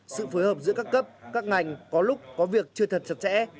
sự phối hợp giữa các cấp các ngành có lúc có việc chưa thật chặt chẽ